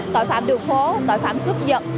tội phạm đường phố tội phạm cướp vật